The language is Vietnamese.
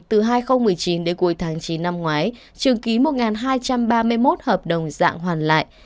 từ hai nghìn một mươi chín đến cuối tháng chín năm ngoái trường ký một hai trăm ba mươi một hợp đồng dạng hoàn lại